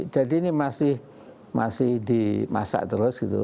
jadi ini masih dimasak terus gitu